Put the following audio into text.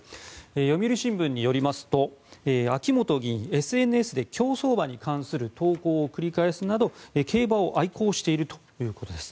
読売新聞によりますと秋本議員ＳＮＳで競走馬に関する投稿を繰り返すなど競馬を愛好しているということです。